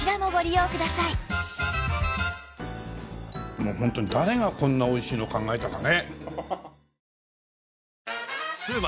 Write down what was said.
もうホントに誰がこんなおいしいの考えたかね。